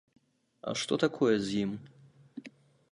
А што такое з ім?